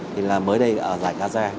thì là mới đây ở giải cao gia